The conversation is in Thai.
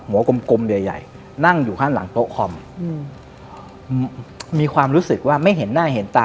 กลมกลมใหญ่ใหญ่นั่งอยู่ข้างหลังโต๊ะคอมอืมมีความรู้สึกว่าไม่เห็นหน้าเห็นตา